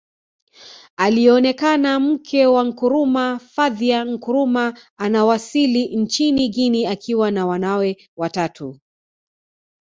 Alionekana mke wa Nkrumah Fathia Nkrumah anawasili nchini Guinea akiwa na wanawe watatu